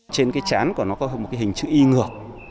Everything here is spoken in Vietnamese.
trên cái chán của nó có một cái hình chữ y ngược